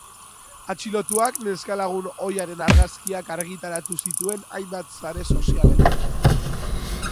Atxilotuak neska-lagun ohiaren argazkiak argitaratu zituen hainbat sare sozialetan.